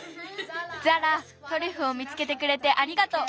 ザラトリュフを見つけてくれてありがとう。